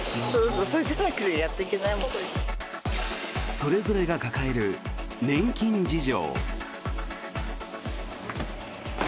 それぞれが抱える年金事情。